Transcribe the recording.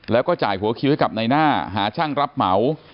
แล้วก็จ่ายหัวคิวให้กับนายหน้าหาช่างรับเหมา